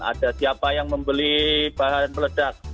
ada siapa yang membeli bahan peledak